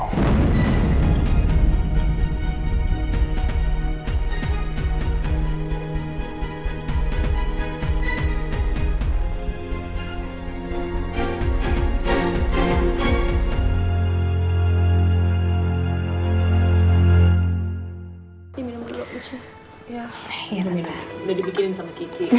gua tandai duk al